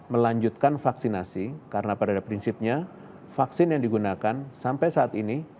melanjutkan vaksinasi karena pada prinsipnya vaksin yang digunakan sampai saat ini